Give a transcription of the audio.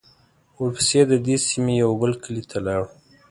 ورپسې د دې سیمې یوه بل کلي ته لاړو.